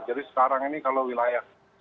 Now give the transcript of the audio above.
jadi sekarang ini kalau wilayah